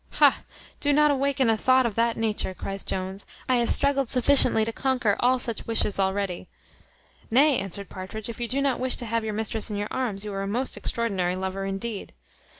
"Ha! do not awaken a thought of that nature," cries Jones: "I have struggled sufficiently to conquer all such wishes already." "Nay," answered Partridge, "if you do not wish to have your mistress in your arms you are a most extraordinary lover indeed."